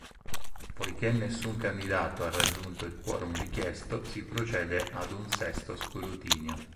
Poiché nessun candidato ha raggiunto il quorum richiesto, si procede ad un sesto scrutinio.